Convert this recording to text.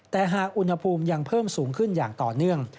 แต่หากอุณหภูมิยังเพิ่มสูงขึ้นอย่างต่อเนื่อง